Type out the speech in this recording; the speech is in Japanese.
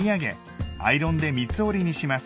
アイロンで三つ折りにします。